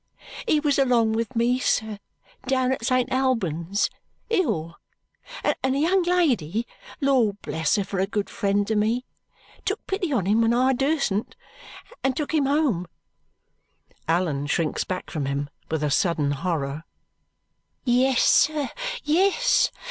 He was along with me, sir, down at Saint Albans, ill, and a young lady, Lord bless her for a good friend to me, took pity on him when I durstn't, and took him home " Allan shrinks back from him with a sudden horror. "Yes, sir, yes.